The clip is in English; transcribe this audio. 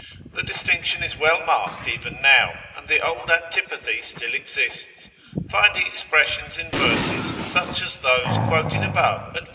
The distinction is well marked even now, and the old antipathy still exists, finding expression in verses such as those quoted above at p.